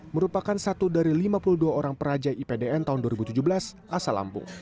merupakan satu dari lima puluh dua orang peraja ipdn tahun dua ribu tujuh belas asal lampung